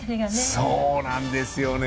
そうなんですよね。